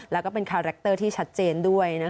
แล้วก็เป็นคาแรคเตอร์ที่ชัดเจนด้วย